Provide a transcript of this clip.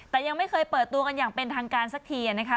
แต่ยังไม่เคยเปิดตัวกันอย่างเป็นทางการสักทีนะคะ